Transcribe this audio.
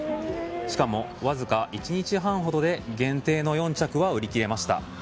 しかもわずか１日半ほどで限定の４着は売り切れました。